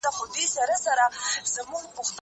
زه هره ورځ سیر کوم!!